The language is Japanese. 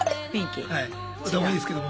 歌もいいですけども。